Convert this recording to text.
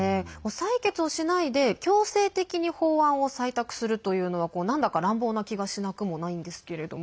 採決をしないで強制的に法案を採択するというのはなんだか乱暴な気がしなくもないんですけれども。